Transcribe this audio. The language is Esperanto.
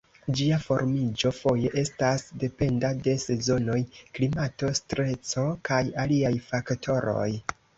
Ĝia formiĝo foje estas dependa de sezonoj, klimato, streso, kaj aliaj faktoroj.